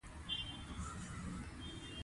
د افغانستان طبیعت له لمریز ځواک څخه جوړ شوی دی.